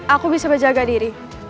aku bisa berjaga diri